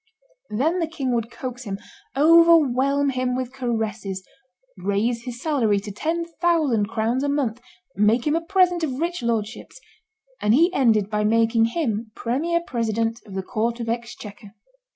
'" Then the king would coax him, overwhelm him with caresses, raise his salary to ten thousand crowns a month, make him a present of rich lordships; and he ended by making him premier president of the Court of Exchequer.